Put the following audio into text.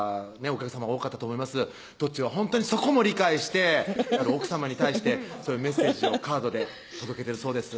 お母さま多かったと思いますとっちはほんとにそこも理解して奥さまに対してメッセージをカードで届けてるそうです